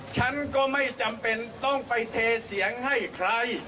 ฉันก็ไม่จำเป็นต้องไปเทเสียงให้ใคร